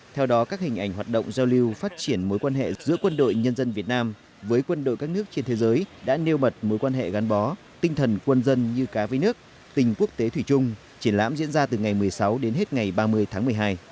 theo đó các hình ảnh hoạt động giao lưu phát triển mối quan hệ giữa quân đội nhân dân việt nam với quân đội các nước trên thế giới đã nêu bật mối quan hệ gắn bó tinh thần quân dân như cá với nước tình quốc tế thủy chung triển lãm diễn ra từ ngày một mươi sáu đến hết ngày ba mươi tháng một mươi hai